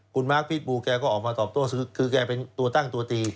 คุณมาร์คพิษบูแกก็ออกมาตอบโต้คือแกเป็นตัวตั้งตัวตี